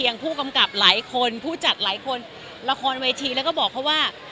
ผู้กำกับหลายคนผู้จัดหลายคนละครเวทีแล้วก็บอกเขาว่า